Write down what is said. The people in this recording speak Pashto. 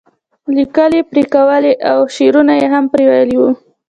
لیکل یې پرې کولی او شعرونه یې هم پرې ویلي وو.